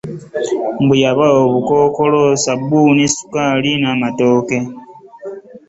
Mbu yabawa obukookolo, ssabbuuni, ssukaali n'amatooke.